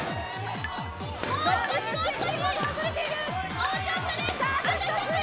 もうちょっとです。